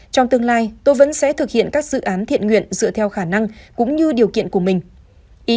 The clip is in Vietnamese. trong tương lai tôi vẫn sẽ thực hiện các dự án thiện nguyện dựa theo khả năng cũng như điều kiện của mình